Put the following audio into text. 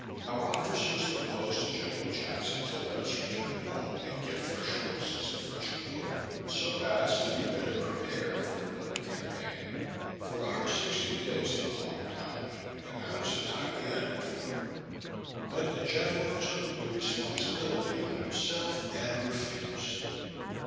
Our officers proposed to Gen'l. Jackson to let us return home and get fresh horses, and fresh clothing, so as to be better prepared for another campaign; for our sixty days had long been out, and that was the time we entered for. But the general took "the responsibility" on himself, and refused.